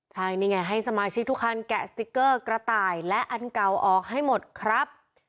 ใช่นี่ไงให้สมาชิกทุกคันแกะสติ๊กเกอร์กระต่ายและอันเก่าออกให้หมดครับ